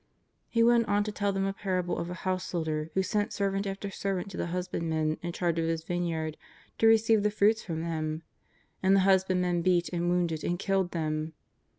He went on to tell them a parable of a householder who sent servant after servant to the husbandmen in charge of his vineyard to receive the fruits from them. And the husbandmen beat, and wounded, and killed them.